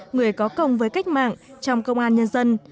người có công với cách mạng trong công an nhân dân